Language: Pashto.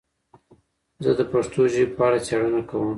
زه د پښتو ژبې په اړه څېړنه کوم.